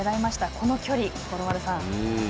この距離、五郎丸さん。